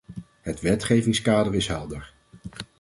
Het wetgevingskader is helder.